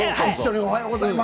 おはようございます。